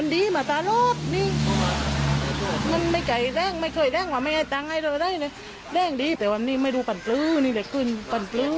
ดร์อย่างดีแต่วันนี้ไม่รู้ปัญตื้อนี่เดี๋ยวขึ้นปัญตื้อ